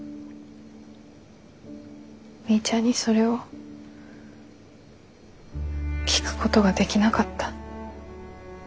みーちゃんにそれを聞くことができなかった。